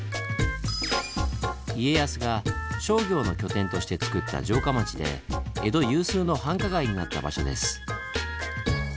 家康が商業の拠点としてつくった城下町で江戸有数の繁華街になった場所です。